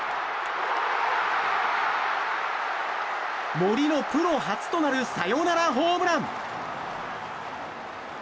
森のプロ初となるサヨナラホームラン！